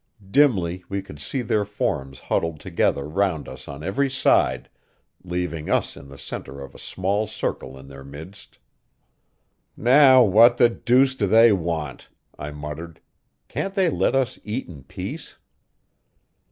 Dimly we could see their forms huddled together round us on every side, leaving us in the center of a small circle in their midst. "Now, what the deuce do they want?" I muttered. "Can't they let us eat in peace?"